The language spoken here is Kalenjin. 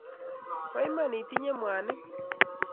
bo iman itinye mwanik